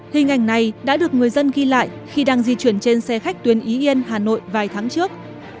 hình ảnh này đã được người dân ghi lại khi đang di chuyển trên xe khách tuyến y yên hà nội vài tháng trước